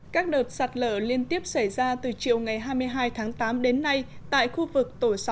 các đợt sạt lở liên tiếp xảy ra từ chiều ngày hai mươi hai tháng tám đến nay tại khu vực tổ sáu